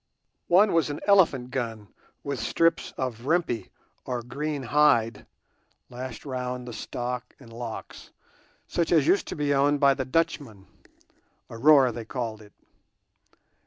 One was an elephant gun with strips of rimpi, or green hide, lashed round the stock and locks, such as used to be owned by the Dutchmen—a "roer" they call it.